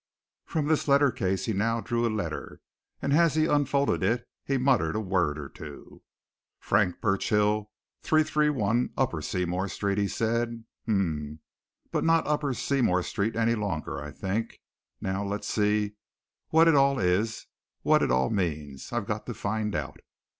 From this letter case he now drew a letter, and as he unfolded it he muttered a word or two. "Frank Burchill, 331, Upper Seymour Street," he said. "Um but not Upper Seymour Street any longer, I think. Now let's see what it all is what it all means I've got to find out."